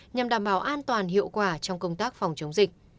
nhằm đảm bảo an toàn hiệu quả trong công tác phòng chống dịch